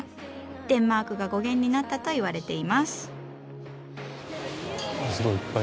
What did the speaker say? デンマークが語源になったと言われています。